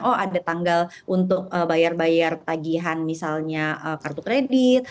oh ada tanggal untuk bayar bayar tagihan misalnya kartu kredit